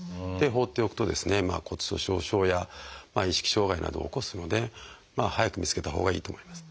放っておくと骨粗鬆症や意識障害などを起こすので早く見つけたほうがいいと思います。